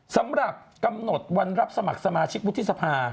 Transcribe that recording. สำหรับกำหนดวันรับสมัครสมาชิกวุฒิสภา